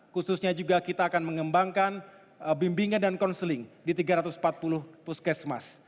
khususnya juga kita akan mengembangkan bimbingan dan konseling di tiga ratus empat puluh puskesmas